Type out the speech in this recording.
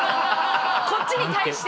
こっちに対して。